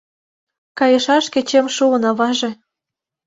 Кайышаш кечем шуын, аваже.